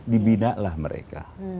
dibina lah mereka